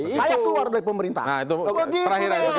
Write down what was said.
saya keluar dari pemerintahan